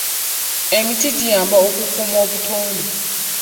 Emiti giyamba okukuuma obutonde.